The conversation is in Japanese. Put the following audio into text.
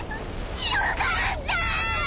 よかったぁ！